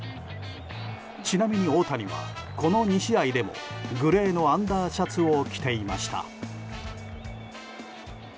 ちなみに大谷はこの２試合でもグレーのアンダーシャツを着ていました。